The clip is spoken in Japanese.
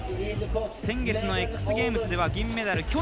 先月のＸゲームズでは銀メダル。